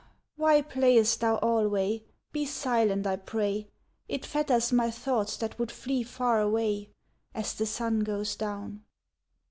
"Why playest thou alway? Be silent, I pray, It fetters my thoughts that would flee far away. As the sun goes down."